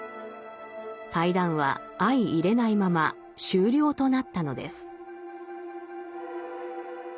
対談は相いれないまま終了となったのです。